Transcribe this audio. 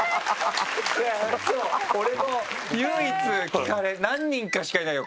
いやそう俺も唯一聞かれ何人かしかいないよ